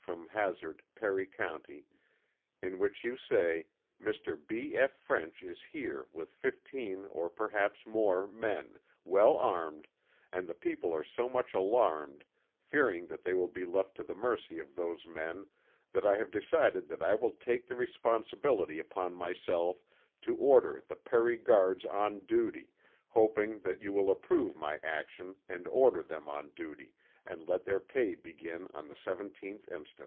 from Hazard, Perry County, in which you say "Mr. B. F. French is here with 15, or perhaps more, men, well armed, and the people are so much alarmed, fearing that they will be left to the mercy of those men, that I have decided that I will take the responsibility upon myself to order the Perry Guards on duty, hoping that you will approve my action and order them on duty, and let their pay begin on the 17th inst."